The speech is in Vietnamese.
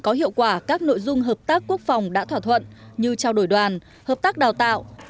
có hiệu quả các nội dung hợp tác quốc phòng đã thỏa thuận như trao đổi đoàn hợp tác đào tạo